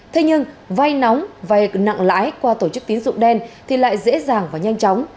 thế nhưng vai nóng vai nặng lãi qua tổ chức tiến dụng đen thì lại dễ dàng và nhanh chóng